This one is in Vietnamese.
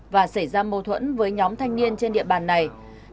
và xảy ra mâu thuẫn với nhóm thanh niên trên địa bàn ninh giang